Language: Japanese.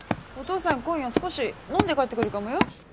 お父さん今夜少し飲んで帰ってくるかもよ。